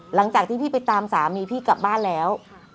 หลังจากที่พี่ไปตามสามีพี่กลับบ้านแล้ว